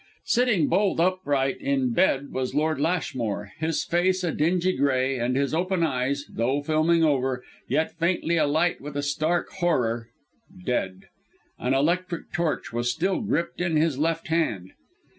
Sitting bolt upright in bed was Lord Lashmore, his face a dingy grey and his open eyes, though filming over, yet faintly alight with a stark horror ... dead. An electric torch was still gripped in his left hand.